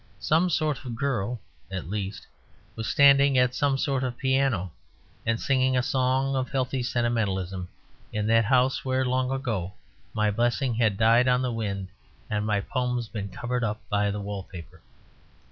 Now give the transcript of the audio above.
Some sort of girl, at least, was standing at some sort of piano, and singing a song of healthy sentimentalism in that house where long ago my blessing had died on the wind and my poems been covered up by the wallpaper.